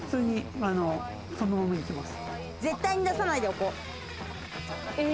絶対に出さないでおこう。